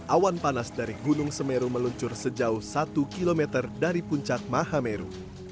awan panas dari gunung semeru meluncur sejauh satu km dari puncak mahameru